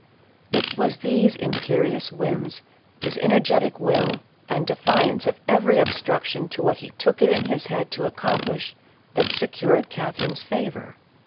It was these imperious whims, his energetic will, and defiance of every obstruction to what he took it in his head to accomplish, that secured Catherine's favor.